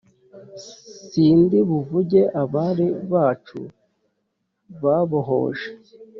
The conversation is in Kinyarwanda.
Sindi buvuge abari Bacu babohoje